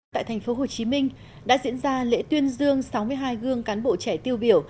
tại thành phố hồ chí minh đã diễn ra lễ tuyên dương sáu mươi hai gương cán bộ trẻ tiêu biểu